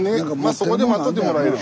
そこで待っとってもらえれば。